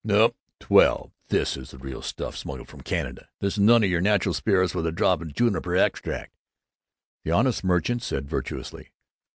"Nup. Twelve. This is the real stuff, smuggled from Canada. This is none o' your neutral spirits with a drop of juniper extract," the honest merchant said virtuously.